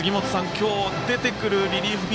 今日、出てくるリリーフ陣